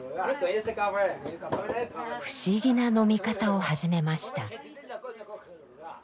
不思議な飲み方を始めました。